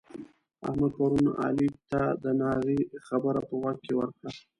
احمد پرون علي ته د ناغې خبره په غوږ کې ورکړه.